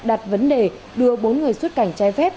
đặt vấn đề đưa bốn người xuất cảnh trái phép